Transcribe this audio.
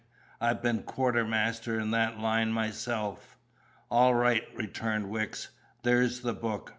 "I been quartermaster in that line myself." "All right," returned Wicks. "There's the book.